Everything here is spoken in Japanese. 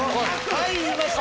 はい言いました。